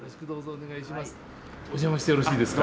お邪魔してよろしいですか。